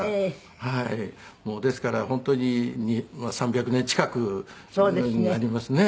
ですから本当に３００年近くになりますね